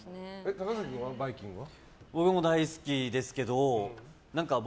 高杉君はバイキングは？